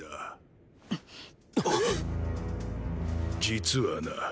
実はな